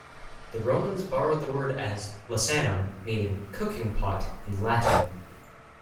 The Romans borrowed the word as "lasanum", meaning "cooking pot" in Latin.